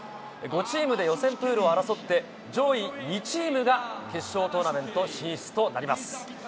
チームで予選プールを争って、上位２チームが決勝トーナメント進出となります。